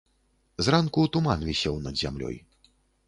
Зранку туман вісеў над зямлёй.